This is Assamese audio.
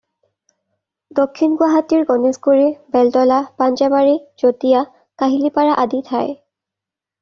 দক্ষিণ গুৱাহাটীৰ গণেশগুৰি, বেলতলা, পাঞ্জাবাৰী, জটীয়া, কাহিলীপাৰা আদি ঠায়।